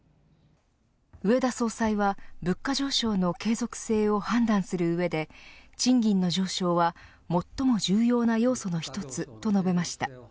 植田総裁は物価上昇の継続性を判断する上で賃金の上昇は、最も重要な要素の一つと述べました。